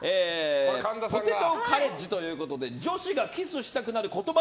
ポテトカレッジということで女子がキスしたくなる言葉